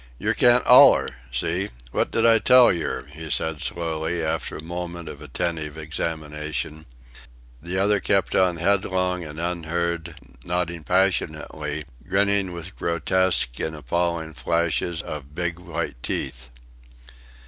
"Yer can't oller. See? What did I tell yer?" he said, slowly, after a moment of attentive examination. The other kept on headlong and unheard, nodding passionately, grinning with grotesque and appalling flashes of big white teeth.